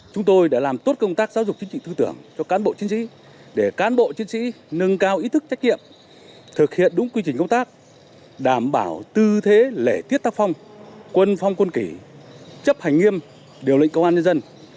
chúng tôi đã làm tốt công tác giáo dục chính trị tư tưởng cho cán bộ chiến sĩ để cán bộ chiến sĩ nâng cao ý thức trách nhiệm thực hiện đúng quy trình công tác đảm bảo tư thế lễ tiết tác phong quân phong quân kỷ chấp hành nghiêm điều lệnh công an nhân dân